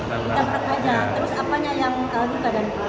terus apanya yang lagi dan